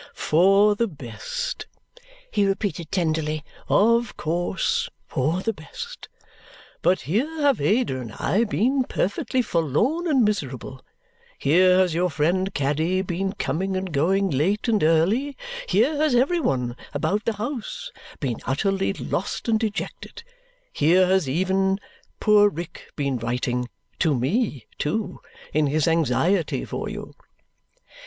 "For the best?" he repeated tenderly. "Of course, for the best. But here have Ada and I been perfectly forlorn and miserable; here has your friend Caddy been coming and going late and early; here has every one about the house been utterly lost and dejected; here has even poor Rick been writing to ME too in his anxiety for you!"